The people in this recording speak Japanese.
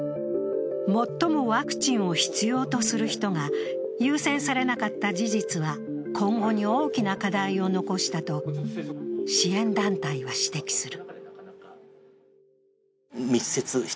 最もワクチンを必要とする人が優先されなかった事実は、今後に大きな課題を残したと支援団体は指摘する。